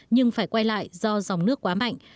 nhưng phải quay lại do dòng nước quá mạnh